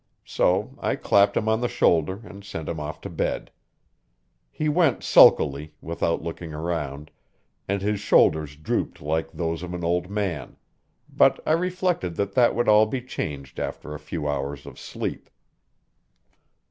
So I clapped him on the shoulder and sent him off to bed. He went sulkily, without looking round, and his shoulders drooped like those of an old man; but I reflected that that would all be changed after a few hours of sleep.